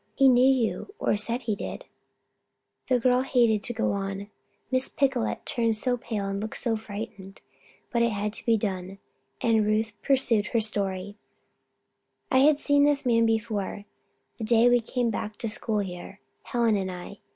He knew you or said he did " The girl hated to go on, Miss Picolet turned so pale and looked so frightened. But it had to be done, and Ruth pursued her story: "I had seen the man before the day we came to school here, Helen and I.